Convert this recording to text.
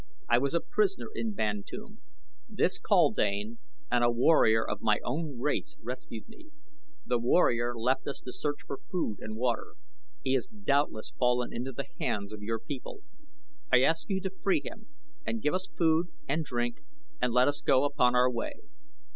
"I was a prisoner in Bantoom. This kaldane and a warrior of my own race rescued me. The warrior left us to search for food and water. He has doubtless fallen into the hands of your people. I ask you to free him and give us food and drink and let us go upon our way.